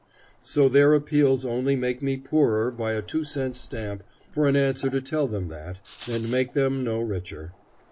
So their appeals only make me poorer by a two cent stamp for an answer to tell them that, and make them no richer.